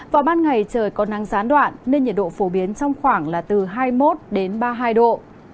vào ban ngày trời có nắng gián đoạn nên nhiệt độ phổ biến trong khoảng là từ hai mươi một đến ba mươi hai độ